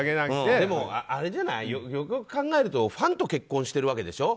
でも、よくよく考えるとファンと結婚してるわけでしょ。